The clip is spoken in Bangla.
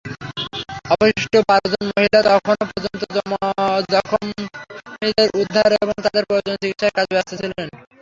অবশিষ্ট বারজন মহিলা তখনও পর্যন্ত জখমিদের উদ্ধার এবং তাদের প্রয়োজনীয় চিকিৎসার কাজে ব্যস্ত ছিলেন।